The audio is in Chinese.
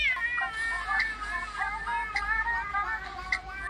肋与脊柱通过关节相连。